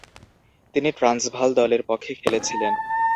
তিনি ট্রান্সভাল দলের পক্ষে খেলেছিলেন।